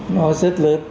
nó rất lớn